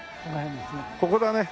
ここだね。